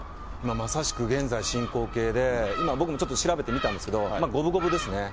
まさしく現在進行形で、僕も今、ちょっと調べてみたんですけど、五分五分ですね。